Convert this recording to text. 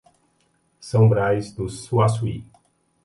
São Brás do Suaçuí